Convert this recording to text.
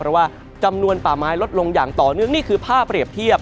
เพราะว่าจำนวนป่าไม้ลดลงอย่างต่อเนื่องนี่คือภาพเปรียบเทียบ